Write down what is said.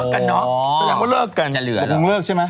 แสดงว่าเลิกกันน้อย